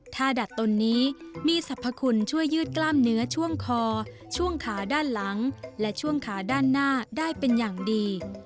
ถ้าดัดตนนี้มีสรรพคุณช่วยยืดกล้ามเนื้อช่วงคอช่วงขาด้านหลังและช่วงขาด้านหน้าได้เป็นอย่างดี